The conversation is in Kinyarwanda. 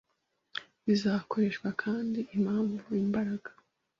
bizakoreshwa; Kandi Impamvu Imbaraga